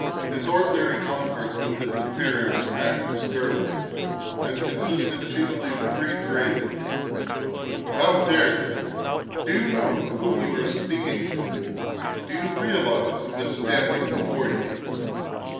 His ordinary converse with his inferiors smacked of sternness, and consisted chiefly of three phrases: "How dare you?" "Do you know whom you are speaking to?" "Do you realise who is standing before you?"